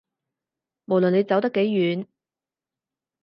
無論你走得幾遠